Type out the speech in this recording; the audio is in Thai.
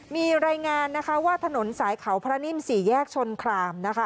มีรายงานนะคะว่าถนนสายเขาพระนิ่ม๔แยกชนครามนะคะ